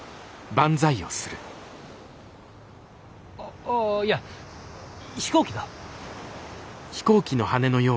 あっああいや飛行機だ。